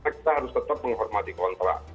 kita harus tetap menghormati kontrak